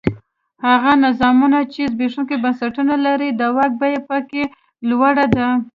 هغه نظامونه چې زبېښونکي بنسټونه لري د واک بیه په کې لوړه ده.